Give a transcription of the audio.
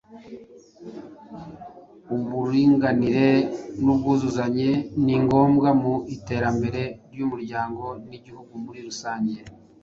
Uburinganire n’ubwuzuzanye ni ngombwa mu iterambere ry’umuryango n’Igihugu muri rusange.